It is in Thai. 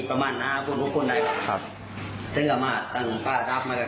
กว่าบรรณะพวกเค้าก็มาตรงฟาศาสตร์มันก้านี่